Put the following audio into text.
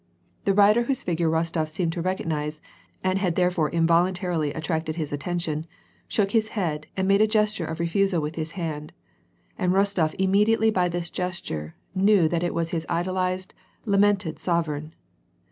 The rider whose figure Rostof seemed to recognize, and had therefore involun t^ily attracted his attention, shook his head and made a ges ture of refusal with his hand, and Rostof immediately by this gesture, knew that it was his idolized, lamented sovereign.